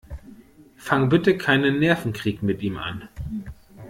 Fang bitte keinen Nervenkrieg mit ihm an.